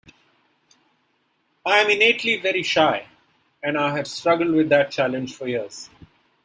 I am innately very shy, and I have struggled with that challenge for years.